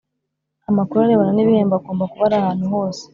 Amakuru arebana n ibihembo agomba kuba ari ahantu hose